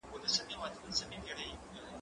زه به سبا کتابتون ته ولاړم؟!